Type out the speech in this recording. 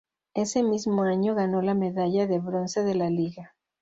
Ese mismo año ganó la medalla de bronce de la Liga.